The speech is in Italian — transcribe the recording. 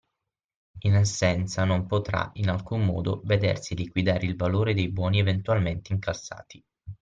In assenza, non potrà, in alcun modo, vedersi liquidare il valore dei buoni eventualmente incassati.